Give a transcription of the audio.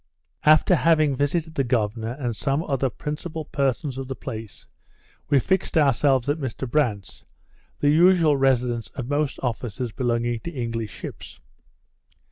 After having visited the governor and some other principal persons of the place, we fixed ourselves at Mr Brandt's, the usual residence of most officers belonging to English ships.